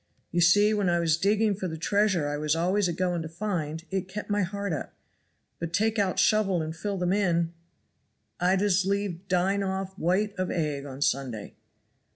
'You see, when I was digging for the treasure I was always a going to find, it kept my heart up; but take out shovel and fill them in I'd as lieve dine off white of egg on a Sunday.'